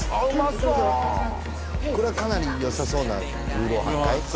そうこれはかなりよさそうなルーロー飯かい？